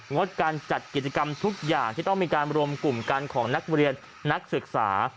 งดการจัดกิจกรรมทุกอย่างที่ต้องมีการรวมกลุ่มกันของนักเรียนนักศึกษา